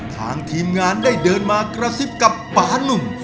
ทางทีมงานได้เดินมากระซิบกับปานุ่ม